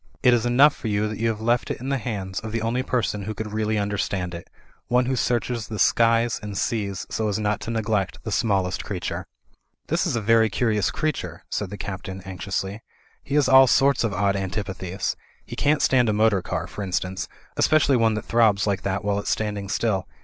It is enough for you that you have left it in the hands of the only person who could really understand it; one who searches the skies and seas so as not to neglect the smallest creature." "This is a very curious creature," said the Captain, anxiously, "he has all sorts of odd antipathies. He can't stand a motor car, for instance, especially one that throbs like that while it's standing still.